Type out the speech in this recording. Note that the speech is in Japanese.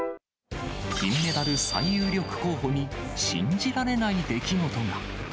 金メダル最有力候補に、信じられない出来事が。